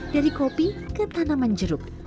dari kopi ke tanaman jeruk